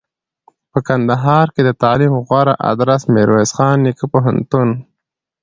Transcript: په کندهار کښي دتعلم غوره ادرس میرویس نیکه پوهنتون